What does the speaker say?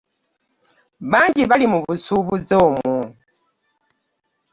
Bangi bali mu busuubuzi omwo.